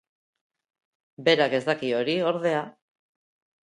Berak ez daki hori, ordea.